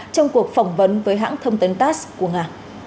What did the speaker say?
trong cuộc phỏng vấn với hãng thông tấn tass của nga